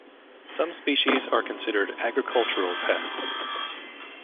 Some species are considered agricultural pests.